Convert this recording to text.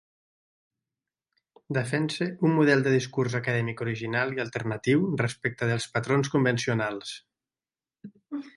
Defense un model de discurs acadèmic original i alternatiu respecte dels patrons convencionals.